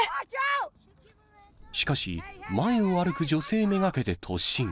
しかし、前を歩く女性目がけて突進。